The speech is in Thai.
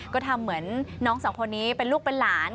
ก็ทำเหมือนน้องสองคนนี้เป็นลูกเป็นหลาน